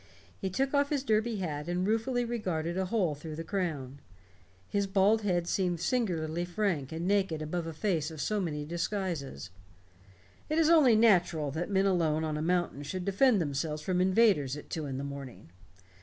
He took off his derby hat and ruefully regarded a hole through the crown. His bald head seemed singularly frank and naked above a face of so many disguises. "It is only natural that men alone on a mountain should defend themselves from invaders at two in the morning.